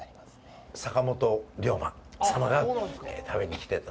坂本龍馬様が食べに来てた。